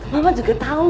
mama juga tahu